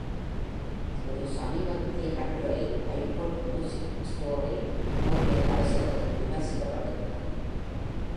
ஒரு சமீபத்திய கட்டுரையில் iPod மியூசிக் ஸ்டோரை Norway தடைசெய்தது விமர்சிக்கப்பட்டிருந்தது.